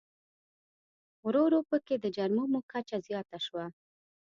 ورو ورو په کې د جرمومو کچه زیاته شوه.